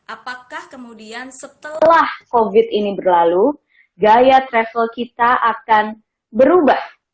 apakah kemudian setelah covid ini berlalu gaya travel kita akan berubah